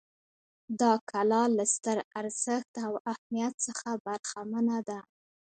دا کلا له ستر ارزښت او اهمیت څخه برخمنه ده.